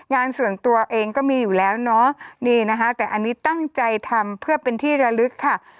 งานส่วนตัวเองก็มีอยู่แล้วเนาะนี่นะคะแต่อันนี้ตั้งใจทำเพื่อเป็นที่ระลึกค่ะ